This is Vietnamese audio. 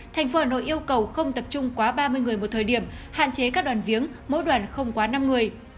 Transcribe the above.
thành phố hà nội yêu cầu không tập trung quá ba mươi người một thời điểm hạn chế các đoàn viếng mỗi đoàn không quá năm người